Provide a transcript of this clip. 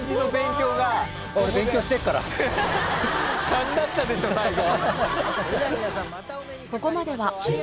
勘だったでしょ最後。